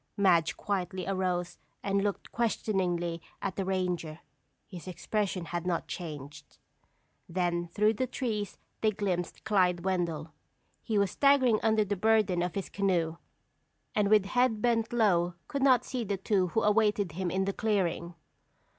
Madge quietly arose and looked questioningly at the ranger. His expression had not changed. Then through the trees they glimpsed Clyde Wendell. He was staggering under the burden of his canoe, and with head bent low could not see the two who awaited him in the clearing.